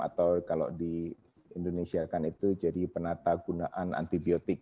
atau kalau di indonesia kan itu jadi penata gunaan antibiotik